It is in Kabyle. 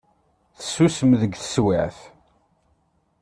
Tessusem deg teswiεt.